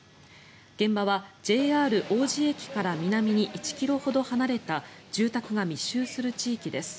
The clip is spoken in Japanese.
現場はＪＲ王子駅から南に１ｋｍほど離れた住宅が密集する地域です。